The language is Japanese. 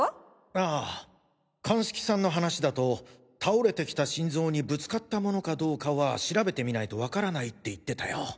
ああ鑑識さんの話だと倒れてきた神像にぶつかったものかどうかは調べてみないとわからないって言ってたよ。